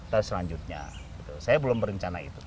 terus selanjutnya saya belum berencana itu